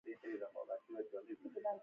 او د افغانستان خلکو ته وايي.